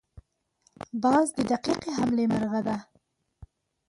باز د دقیقې حملې مرغه دی